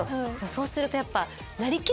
そうするとやっぱ。